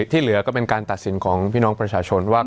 ที่เหลือก็เป็นการตัดสินของพี่น้องประชาชนว่า